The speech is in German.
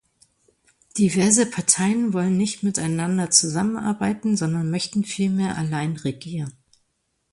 Diverse Parteien wollen nicht miteinander zusammenarbeiten, sondern möchten vielmehr allein regieren.